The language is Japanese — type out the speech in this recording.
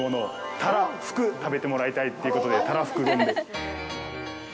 太良ふく食べてもらいたいということで、たらふく丼で。